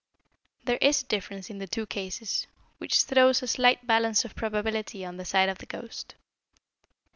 There is a difference in the two cases, which throws a slight balance of probability on the side of the ghost.